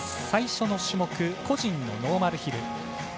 最初の種目、個人のノーマルヒル。